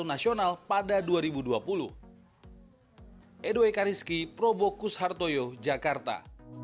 pertama piala kalpatar yang diperlukan oleh piala kalpatar adalah piala kalpatar yang diperlukan oleh piala kalpatar